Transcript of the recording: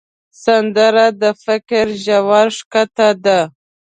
سندره د فکر ژوره ښکته ده